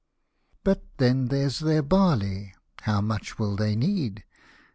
" But then there's their barley : how much will they need?